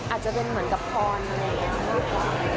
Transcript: อาจจะเป็นเหมือนกับพรอย่างนี้นะคะ